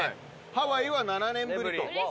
ハワイは７年ぶりと。